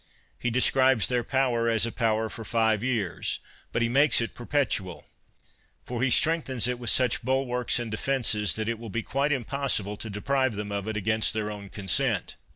He describes their power, as a power for five years ; but he makes it perpetual. For he strengthens it with such bulwarks and defenses that it will be quite impossible to deprive them of it against their own consent.